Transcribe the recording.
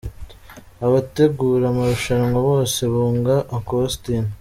Abategura amarushanwa bose banga Uncle Austin?.